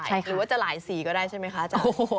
หรือว่าจะหลายสีก็ได้ใช่ไหมคะอาจารย์